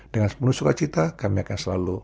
dengan sepenuh sukacita kami akan selalu